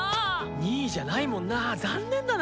２位じゃないもんな残念だな。